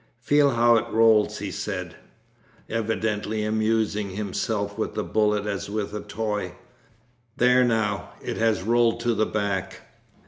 'Feel how it rolls,' he said, evidently amusing himself with the bullet as with a toy. 'There now, it has rolled to the back.'